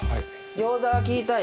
餃子は聞いたよ。